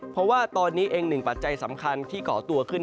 เพราะว่าตอนนี้เองหนึ่งปัจจัยสำคัญที่ก่อตัวขึ้น